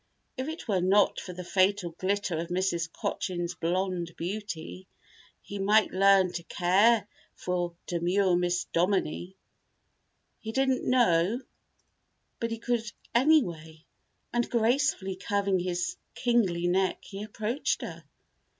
If it were not for the fatal glitter of Mrs. Cochin's blonde beauty, he might learn to care for demure Miss Dominie. He didn't know but he could, anyway, and gracefully curving his kingly neck he approached her.